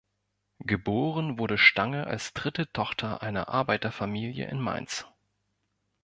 Geboren wurde Stange als dritte Tochter einer Arbeiterfamilie in Mainz.